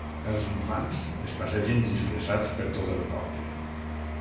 Els infants es passegen disfressats per tot el poble.